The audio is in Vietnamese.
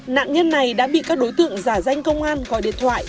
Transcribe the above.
nạn nhân này đã bị các đối tượng giả danh công an gọi điện thoại